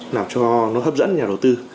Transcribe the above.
làm cho nó hấp dẫn nhà đầu tư